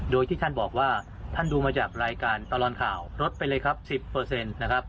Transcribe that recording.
โดยที่ท่านบอกว่าท่านดูมาจากรายการตลอดข่าวลดไปเลยครับ๑๐นะครับ